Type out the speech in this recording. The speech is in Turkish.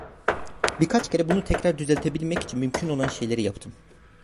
Birkaç kere bunu tekrar düzeltebilmek için mümkün olan şeyleri yaptım.